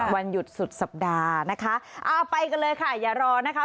วันหยุดสุดสัปดาห์นะคะเอาไปกันเลยค่ะอย่ารอนะคะ